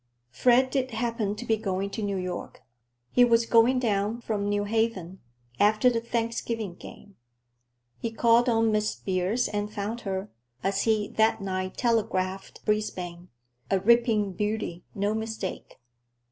Fred did happen to be going to New York. He was going down from New Haven, after the Thanksgiving game. He called on Miss Beers and found her, as he that night telegraphed Brisbane, a "ripping beauty, no mistake."